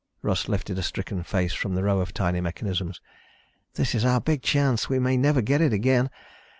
Russ lifted a stricken face from the row of tiny mechanisms. "This is our big chance. We may never get it again.